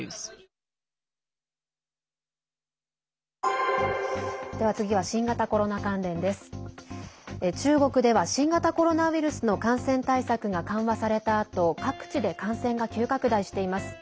中国では、新型コロナウイルスの感染対策が緩和されたあと各地で感染が急拡大しています。